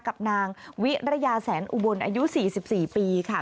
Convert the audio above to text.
กับนางวิรยาแสนอุบลอายุ๔๔ปีค่ะ